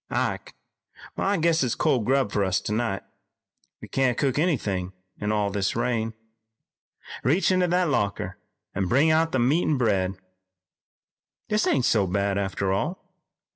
Ike, I guess it's cold grub for us tonight. We can't cook anythin' in all this rain. Reach into that locker an' bring out the meat an' bread. This ain't so bad, after all.